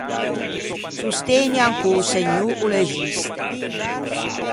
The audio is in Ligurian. Sostëgnan ch’o Segnô o l’existe.